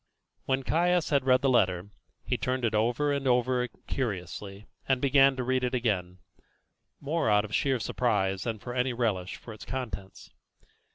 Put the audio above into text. When Caius had read the letter, he turned it over and over curiously, and began to read it again, more out of sheer surprise than from any relish for its contents.